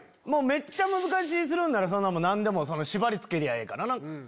めっちゃ難しぃするなら何でも縛り付けりゃええからな。